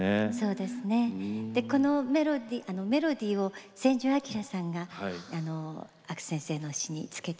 でこのメロディーを千住明さんが阿久先生の詞につけて下さいました。